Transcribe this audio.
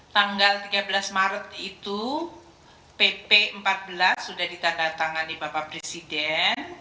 tanggal tiga belas maret itu pp empat belas sudah ditandatangani bapak presiden